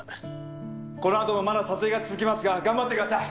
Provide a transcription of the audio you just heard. このあともまだ撮影が続きますが頑張ってください！